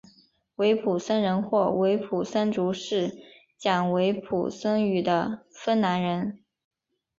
维普森人或维普森族是指讲维普森语的芬兰人。